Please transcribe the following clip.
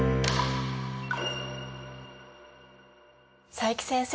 佐伯先生